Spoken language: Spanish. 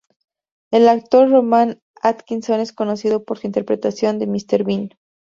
El actor Rowan Atkinson es conocido por su interpretación de "Mr Bean".